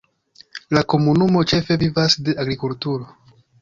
La komunumo ĉefe vivas de agrikulturo.